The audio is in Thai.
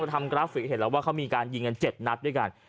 ทำกราฟิกเห็นแล้วว่าเขามีการยิงกัน๗นัดด้วยกัน